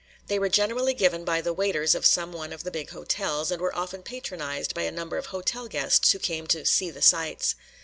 They were generally given by the waiters of some one of the big hotels, and were often patronized by a number of hotel guests who came to "see the sights."